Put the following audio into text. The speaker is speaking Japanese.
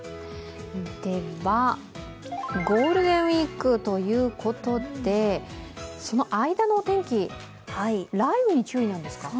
ではゴールデンウイークということで、その間のお天気、雷雨に注意なんですか？